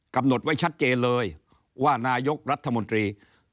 กำหนดไว้ชัดเจนเลยว่านายกรัฐมนตรี